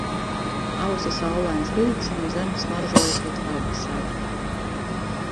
Ausa saulains rīts un zeme smaržoja pēc pavasara